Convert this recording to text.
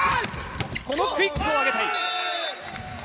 このクイックを上げたい。